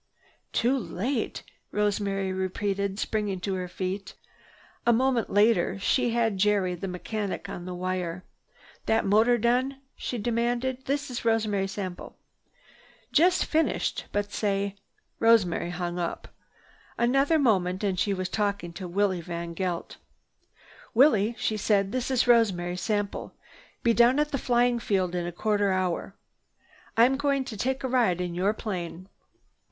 "Too late?" Rosemary repeated, springing to her feet. A moment later she had Jerry, the mechanic, on the wire: "That motor done?" she demanded. "This is Rosemary Sample." "Just finished. But say!—" Rosemary hung up. Another moment and she was talking to Willie VanGeldt. "Willie," she said, "this is Rosemary Sample. Be down at the flying field in a quarter hour. I'm going to take a ride in your plane."